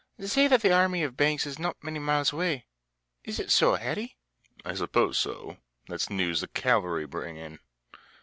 They say that the army of Banks is not many miles away. Is it so, Harry?" "I suppose so. That's the news the cavalry bring in."